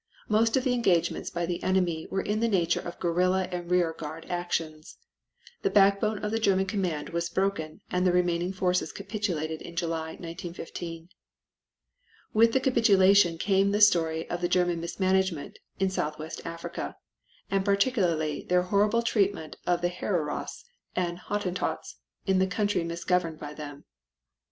Most of the engagements by the enemy were in the nature of guerrilla and rear guard actions. The backbone of the German command was broken and the remaining forces capitulated in July, 1915. With the capitulation came the story of the German mismanagement in Southwest Africa, and particularly their horrible treatment of the Hereros and Hottentots in the country misgoverned by them.